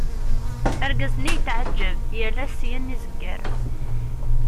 Argaz-nni yetɛeğğeb, yal ass syin i zegger.